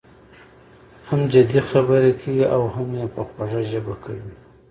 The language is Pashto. هم جدي خبره کوي او هم یې په خوږه ژبه کوي.